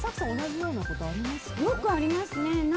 よくありますね。